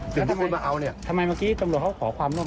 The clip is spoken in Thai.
ถึงที่คุณมาเอาเนี่ยทำไมเมื่อกี้ตรงโรคเขาขอความร่วมมือ